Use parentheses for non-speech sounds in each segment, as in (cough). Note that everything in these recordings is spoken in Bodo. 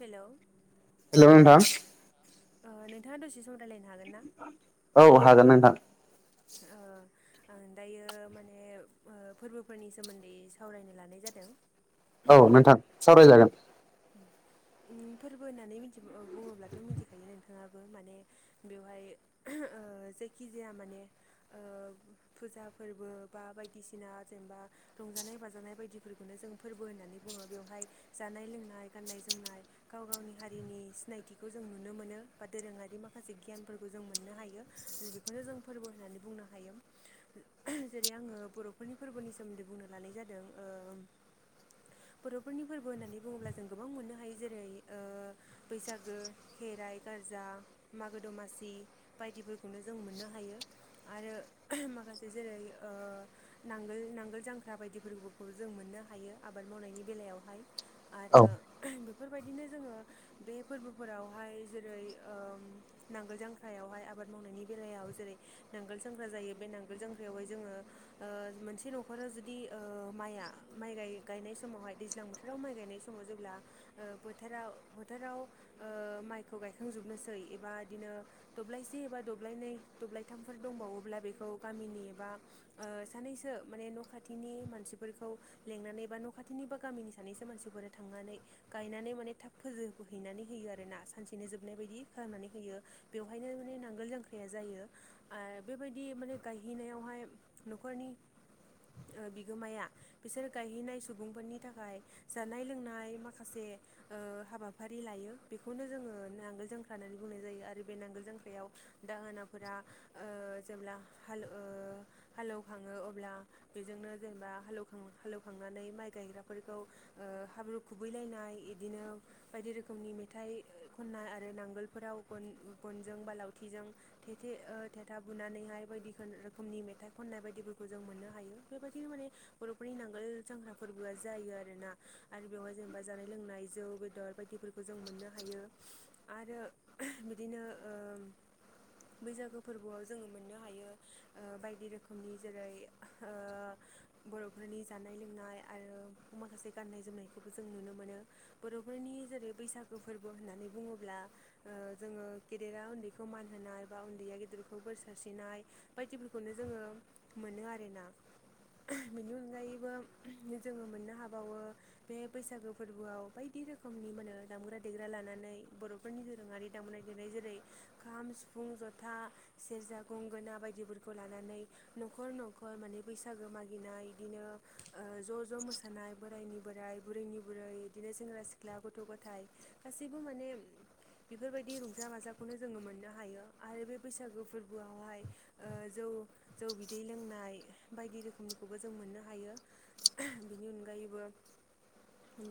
हेलौ। हेल' नोंथां। ओ नोंथांआ दसे सम रायलायनो हागोन ना औ हागोन नोंथां। ओ आं दायो माने ओ फोरबोफोरनि सोमोन्दै सावरायनो लानाय जादों। औ नोंथां सावरायजागोन। उम। उम फोरबो होननानै मिनथि बो बुङोब्लाथ' मिथिखायो नोंथाङाबो माने बेवहाय (unintelligible) ओ जायखिजाया माने ओ फुजा फोरबो बा बायदिसिना जेनेबा रंजानाय बाजानाय बायदिफोर खौनो जों फोरबो होननानै बुङो। बेवहाय जानाय लोंनाय गाननाय जोमनाय गाव गावनि हारिनि सिनाय थिखौ जों नुनो मोनो बा दोरोङारि माखासे गियानफोरखौ जों मोननो हायो। बेखौनो जों फोरबो होननानै बुंनो हायो। जेरै आङो बर'फोरनि फोरबोनि सोमोन्दै बुंनो लानाय जादों। ओ ओम। बर'फोरनि फोरबो होननानै बुङोब्ला जों गोबां मोननो हायो जेरै ओ बैसागो खे राइ, गारजा, मागो दमासि बायदिफोरखौनो जों मोननो हायो। आरो माखासे जेरै ओ नांगोल नांगोल जांख्रा बायदि फोरबोखौ जों मोननो हायो आबाद मावनायनि बेलायावहाय औ आरो बे फोरबायदिनो जोङो बे फोरबोफोरावहाय जेरै ओम नांगोल जांख्रायावहाय आ बाद मावनायनि बेलायाव जेरै नांगोल जांख्रा जायो। बे नांगोल जांख्रायावहाय जोङो ओ मोनसे न'खराव जुदि ओ माइ या माइ गाय-गायनाय समावहाय दैज्लां बोथोराव माइ गायनाय समाव जेब्ला ओ बोथोराव बोथोराव ओ माइखौ गायखांजोबनोसै एबा इदिनो दब्लायसे एबा दब्लायनै दब्लायथामफोर दंबावोब्ला बेखौ गामिनि एबा ओ सानैसो माने न' खाथिनि मानसि फोरखौ लेंनानै बा न' खाथिनि बा गामिनि सानैसो मानसिफोरा थांनानै गायनानै माने थाब फोजोब हैनानै होयो आरो ना। सानसेनो जोबनाय बायदि खालामनानै होयो। बेवहायनो माने नांगोल जांख्राया जायो। आ बेबायदि माने गायहैनायावहाय न'खरनि ओ बिगोमाया बिसोर गायहैनाय सुबुंफोरनि थाखाय जानाय लोंनाय माखासे ओ हाबाफारि लायो बेखौनो जोङो नांगोल जांख्रा होननानै बुंनाय जायो आरो बे नांगोल जांख्रायाव दाहोना फोरा ओ जेब्ला हाल ओ हाल एवखाङो अब्ला बेजोंनो जेनेबा हाल एवखां हाल एवखांनानै माइ गायग्राफोरखौ ओ हाब्रु खुबैलायनाय इदिनो बायदि रोखोमनि मेथाइ खननाय आरो नांगोलफोराव गन गनजों बा लावथिजों थेथे ओ थेथा बुनानैहाय बायदि खोन रोखोमनि मेथाइ खननाय बायदिफोरखौ जों मोननो हायो। बेबायदिनो मा ने बर'फोरनि नांगोल जांख्रा फोरबोआ जायो आरो ना आरो बेवहाय जेनेबा जानाय लोंनाय जौ बे दर बायदिफोरखौ जों मोननो हायो। आरो बिदिनो ओम बैसागो फोरबोआव जोङो मोननो हायो ओ बायदि रोखोमनि जेरै ओ बर'फोरनि जानाय लोंनाय आरो माखासे गाननाय जोमनायखौबो जों नुनो मोनो। बर'फोरनि नि जेरै बैसागु फोरबो होन्नानै बुङोब्ला जोङो गेदेरा उन्दैखौ मान होनाय बा उन्दैया गेदेरखौ बोर सारस्रिनाय बायदिफोरखौनो जोङो मोनो आरोना। बेनि अनगायैबो जोङो मोननो हाबावो बे बैसागो फोरबोआव बायदि बायदि रोखोमनि माने दामग्रा देग्रा लानानै बर'फोरनि दोरोङारि दामबनाय देनाय जेरै- खाम, सिफुं, ज'था, सेरजा, गंगोना बायदिफोरखौ लानानै न'खर न'खर माने बैसागो मागिनाय बिदिनो ज' ज' मोसानाय बोरायनि बोराइ बुरैनि बुरै बिदिनो सेंग्रा- सिख्ला सिख्ला गथ' गथायाइ गासैबो माने बेफोरबायदि रंजा बाजाखौनो जोङो मोननो हायो। आरो बे बैसागु फोरबोआवहाय जौ जौ बिदै लोंनाय बायदि रोखोमनि खौबो जों मोननो हायो। बिनि अनगायैबो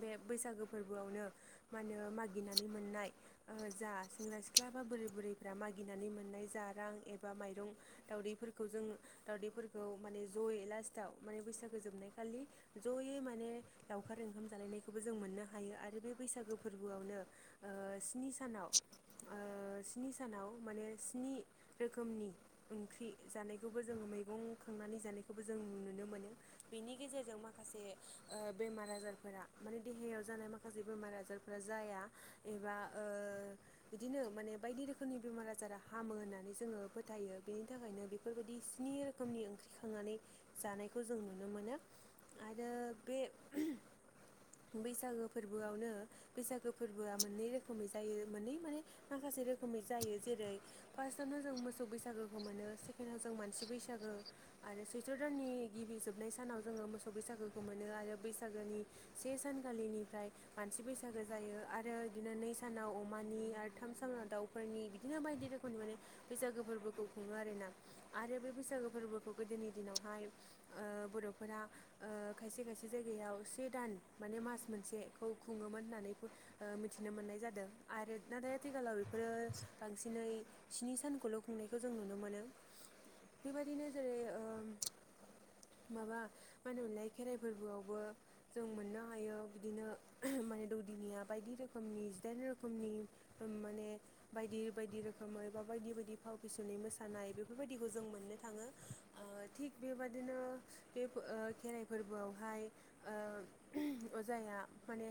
बे बैसागो फोरबोआवनो मा होनो मागिनानै मोननाय जा सेंग्रा सिख्ला बा बोराइ बुरैफ्रा मगिनानै मोन्नाय जारां एबा माइरं, दावदैफोरखौ जों दावदैफोरखौ माने ज'यैनो लाखिनानै लास्टआव माने बैसागो जोबनाय खालि जयै माने लावखार ओंखाम जालायनायखौबो जों मोननो हायो। आरो बे बैसागो फोरबोआवनो स्नि सानाव ओ स्नि सानाव माने स्नि रोखोमनि ओंख्रि जानायखौबो जोङो मैगं खांनानै जानायखौबो जों नुनो मोनो। बेनि गेजेरजों माखासे बेमार आजारफोरा माने देहायाव जानाय माखासे माखासे बेमार आजारफोरा जाया एबा बिदिनो माने बायदि रोखोमनि बेमार आजार आजारा हामो होननानै जोङो फोथायो। बेनि थाखायनो बेफोरबायदि स्नि रोखोमनि ओंख्रि खांनानै जानायखौ जों नुनो मोनो। आरो बे बैसागो फोरबोआवनो बैसागो फोरबोआ मोननै रोखोमै जायो मोननै माने माखासे रोखोमै जायो। जेरै-फार्स्टआवनो जों मोसौ बैसागोखौ मोनो सेकेण्डआव जों मानसि बैसागो आरो सैत्रो दान नि गिबि जोबनाय सानाव जोङो मोसौ बैसागोखौ मोनो आरो बैसागोनि से सानखालिनिफ्राय मानसि बैसागो जायो आरो बिदिनो नै सानाव अमानि आरो थाम सानाव दाउफोरनि बिदिनो बायदि रोखोमनि माने बैसागो फोरबोखौ खुङो आरोना। आरो बे बैसागो फोरबोखौ गोदोनि दिनाव हाय बर'फोरा ओ खायसे-खायसे जायगायाव से दान माने मास मोनसेखौ खुङोमोन होननानै मिथिनो मोननाय जादों। आरो नाथाय आथिखालाव (inaudible) दिनै स्नि सानखौल' खुंनायखौ जों नुनो मोनो। बेबायदिनो जेरै-ओम माबा मा होनोमोनलाय खेराइ फोरबोआवबो जों मोननो हायो बिदिनो माने दौदिनिया बायदि रोखोमनि जिदाइन रोखोमनि माने बायदि बायदि रोखोमै बा बायदि बायदि फाव फिसुनाय मोसानाय बेफोरबायदिखौ जों मोननो थाङो। थिग बेबादिनो बे खेराइ फोरबोआवहाय ओ अजाया माने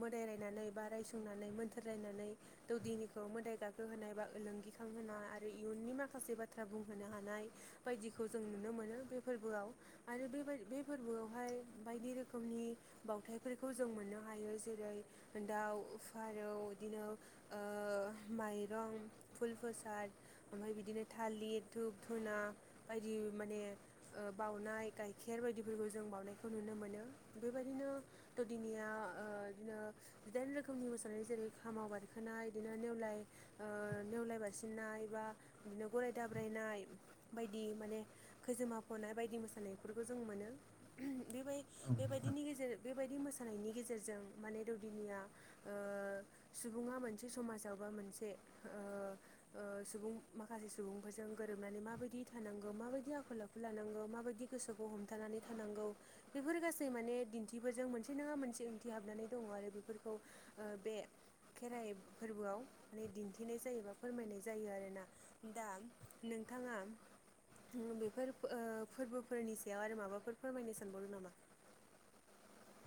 मोदाय रायनानै बा रायसंनानै मोन्थोर रायनानै दौदिनिखौ मोदाय गाखो होनाय ओलोंगिखां होनोनाय आरो इयुननि माखासे बाथ्रा बुंहोनो हानाय बायदिखौ जों नु नो मोनो बे फोरबोआव। आरो बेबायदि बे फोरबोआवहाय बायदि रोखोमनि बावथायफोरखौ जों मोननो हायो जेरै दाउ फारौ बिदिनो ओ माइरं फुल प्रसाद ओमफ्राय बिदिनो थालिर धप धुना बायदि माने बाउनाय गाइखेर बायदिफोरखौ जों बाउनायखौ नुनो मोनो। बेबायदिनो दौदिनैया बिदिनो जिदाइन रोखोमनि मोसानाय जेरै खामाव बारखोनाय बिदिनो नेवलाय ओ नेवलाय बारसिननाय बा बिदिनो गराय दाब्रायनाय बायदि माने खैजोमा फ'नाय बायदि मोसानायफोरखौ जों मोनो। बेबाय बेबायदिनि गेजेरजों बेबायदि मोसानायनि गेजेरजों माने दौदिनिया ओ सुबुङा मोनसे समाजाव बा मोनसे सुबुं माखासे सुबुंफोरजों गोरोबनानै माबायदि थानांगौ माबायदि आखल आखु लानांगौ माबाय गोसोखौ हमथानानै थानांगौ बेफोर गासै माने दिन्थिबोजों मोनसे नाङा मोनसे ओंथि हाबनानै दङ आरो बेफोरखौ बे खेराइ फोरबोआव। माने दिन्थिनाय जायो बा फोरमायनाय जायो आरोना। दा नोंथाङा बेफोर फोरबोफोरनि सायाव आरो माबाफोर फोरमायनो सानबावो नामा?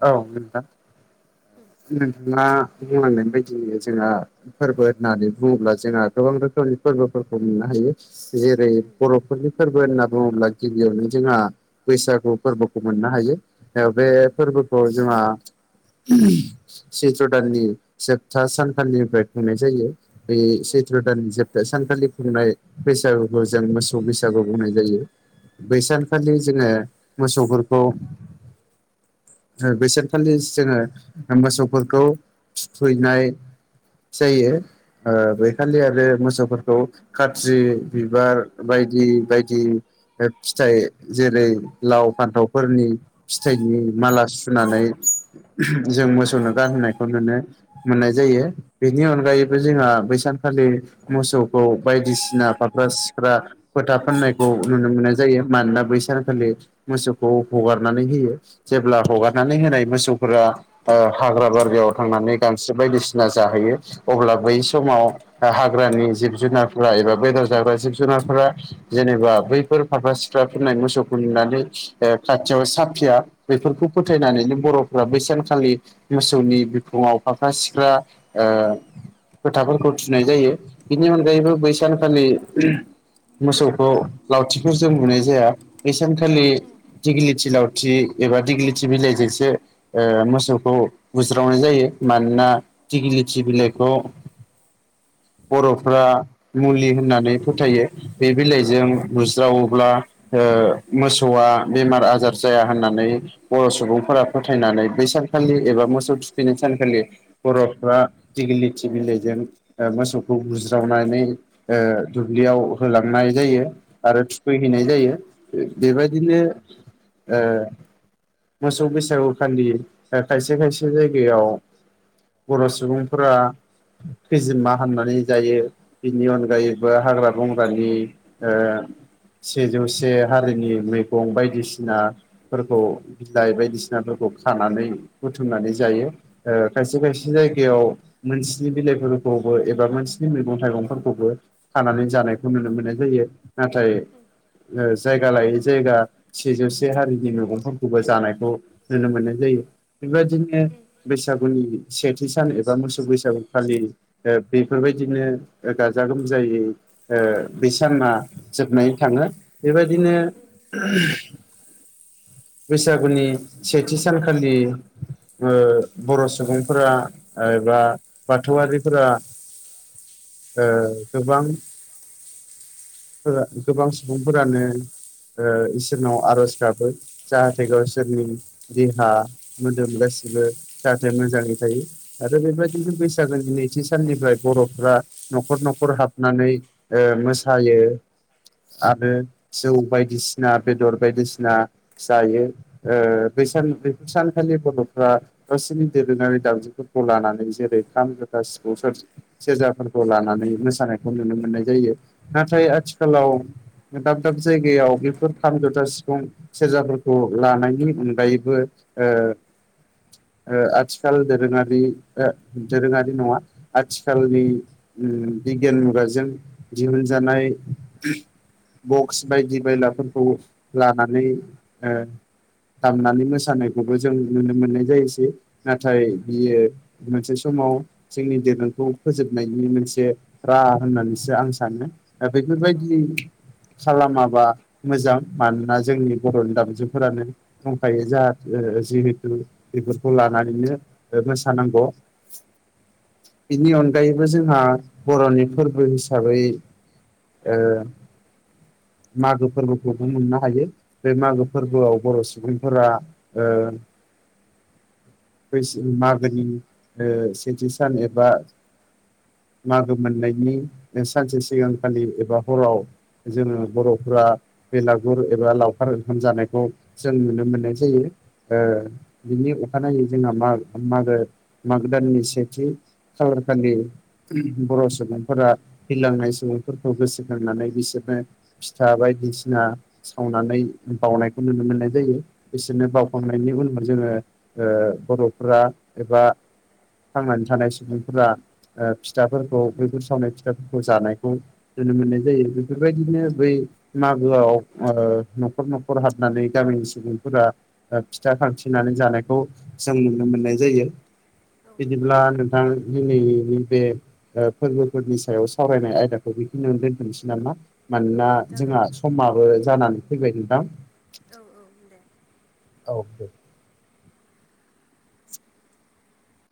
औ नोंथां नोंथाङा बुंनांगोन बायदिनो जोंहा फोरबो होननानै बुङोब्ला जोंहा थ (unintelligible) फोरफोरखौ मोननो हायो जेरै बर'फोरनि फोरबो फोरबो होनना बुङोब्ला गिबियावनो जोंहा बैसागु फोरबोखौ मोननो हायो बे फोरबोखौ जोंहा सैथ्र दाननि जोबथा सानखालिनिफ्राय खुंनाय जायो बे सैथ्र दान जोबथा सानखालि खुंनाय बैसागुखौ जों मोसौ बैसागु बुंनाय जायो बैसानखालि जोङो मोसौफोरखौ बैसानखालि जोङो मोसौफोरखौ थुखैनाय जायो ओ बैखालि आरो मोसौफोरखौ खाथ्रि बिबार बायदि बायदि फिथाइ जेरै लाव फान्थावफोरनि फिथाइनि माला सुनानै (unintelligible) जों मोसौनो गाननायखौ नुनो मोननाय जायो बेनि अनगायैबो जोंहा बैसानखालि मोसौखौ बायदिसिना फाख्रा सिख्रा फोथा फाननायखौ नुनो मोननाय जायो मानोना बैसानखालि मोसौखौ हगारनानै होयो जेब्ला हगारनानै होनाय मोसौफोरा ओ हाग्रा बारियाव थांनानै गांसो बायदिसिना जाहैयो अब्ला बै समाव हाग्रा नि जिब जुनारफोरा एबा बेदर जाग्रा जिब जुनारफोरा जेनेबा बैफोर फारफा सिख्ला फि मोसौखौ नुनानै खाथियाव साफिया बेफोरखौ फोथायनानैनो बर'फ्रा बैसानखालि मोसौनि बिफुङाव फाख्रा सिख्रा ओ खोथाफोरखौ थुनाय जायो बिनि अनगायैबो बैसानखालि मोसौखौ लावथिफोर जों बुनाय जाया बे सानखालि दिग्लिथि लावथि एबा दिग्लिथि बिलाइजोंसो ओ मोसौ खौ बुज्रावनाय जायो मानोना थिगिलिथि बिलाइखौ (inaudible) बर'फ्रा मुलि होननानै फोथायो बे बिलाइजों बुज्रावोब्ला ओ ओ मोसौआ बेमार आजार जाया होननानै बर' सुबुंफोरा फोथायनानै बैसाग सानखालि एबा मोसौ थुखैनाय सानखालि बर'फ्रा दिगि लिथि बिलाइजों मोसौ खौ बुज्रावनानै ओ दुब्लियाव होलांनाय जायो आरो थुखैहैनाय जायो बेबायदिनो ओ मोसौ बैसागु खालि खायसे खायसे जायगायाव बर' सुबुंफोरा खिजिमा हामनानै जायो बिनि अनगायैबो हाग्रा बंग्रानि ओ सेजौसे हारिनि मैगं बायदिसिनाफोरखौ बिलाइ बायदिसिनाफोरखौ खानानै बुथुमनानै जायो ओ खायसे खायसे जायगायाव मोस (unintelligible) बिलाइफोरखौबो एबा मोनसिनि मैगं थाइगंफोरखौबो खानानै जानायखौ नुनो मोननाय जायो नाथाय (unintelligible) जायगा लायै जायगा सेजौसे हारिनि मैगंफोरखौबो जानायखौ नुनो मोननाय जायो। बेबायदिनो बैसागुनि सेथि सान ए एबा मोसौ बैसागु फालियो ओ बेफोरबायदिनो गाजा गोमजायै ओ साना जोबनाय थाङो बेबायदिनो (unintelligible) बैसागुनि सेथि सानखालि ओ बर' सुबुंफोरा एबा बाथौआरिफोरा (unintelligible) ओ गोबां फोरा गोबां सुबुंफोरानो ओ इसोरनाव आर'ज गाबो जाहाथे गावसोरनि देहा मोदोम गासिबो जाहाथे मोजाङै थायो आरो बेबायदिनो बैसागोनि थि साननिफ्राय बर'फ्रा न'खर न'खर हाबनानै ओ मोसायो आरो जौ बायदिसिना बेदर बायदिसिना जायो। ओ बे साननिफ्राइ बे साननिफ्राइ आथिखालि बर'फ्रा गावसोरनि दोरोङारि दावजफोरखौ लानानै जेरै खाम जथा सिफुं सेरजा सेरजाफोरखौ लानानै मोसानायखौ नुनो मोननाय जायो नाथाय आथिखालाव दाब दाब जायगायाव बेफोर खाम जथा सिफुं सेरजाफोरखौ लानायनि अनगायैबो ओ (inaudible) ओ आथिखाल दोरोङारि ओ दोरोङारि नङा आथिखालनि बिगियान मुगाजों दिहुनजानाय बकस बायदि बायलाफोरखौ लानानै दामनानै मोसानाय खौबो जों नुनो मोननाय जायोसै नाथाय बियो मोनसे समाव जोंनि दोरों खौ फोजोबनायनि मोनसे राहा होननानैसो आं सानो दा बेफोरबायदि खालामाबा मोजां मानोना जोंनि बर'नि दामजुफोरानो दंखायो जाहाथे जिहेथु बेफोरखौ लानानैनो मोसानांगौ। बेनि अनगायैबो जोंहा बर'नि फोरबो हिसाबै ओ मागो फोरबोखौथ मोननो हायो। बे मागो फोरबोआव बर' सुबुंफोरा बैस मागोनि सेथि सान एबा (inaudible) मागो मोननायनि सानसे सिगांखालि एबा हराव जोङो बर'फोरा बेलागुर एबा लावखार ओंखाम जानायखौ जों नुनो मोननाय जायो। ओ बिनि अखानायै जोंहा मागो मागो माग दाननि सेथि हरखालि बर' सुबुंफोरा थैलांनाय सुबुंफोरखौ गोसोखांनानै बिसोरनो फिथा बायदिसिना सावनानै बावनायखौ नुनो मोननाय जायो बिसोरनो हमनायनि उनाव जोङो ओ बर'फोरा एबा थांनानै थानाय सुबुंफोरा ओ फिथाफोरखौ बैफोर सावनाय फिथाफोरखौ जानायखौ नुनो मोननाय जायो बेफोरबायदिनो बै मागोआव ओ न'खर न'खर हाबनानै गामिनि सुबुंफोरा फिथा खांफिनानै जानायखौ जों नुनो मोननाय जायो औ बिदिब्ला नोंथां दिनैनि बे फोरबोफोरनि सायाव सावरायनाय आयदाखौ बेखिनिनो दोनथनोसै नामा। मानोना औ जागोन जोंहा नोंथां समाबो जानानै फैबाय नोंथां। औ दे औ दे